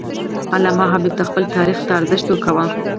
علامه حبیبي د خپل ملت تاریخ ته ارزښت ورکاوه.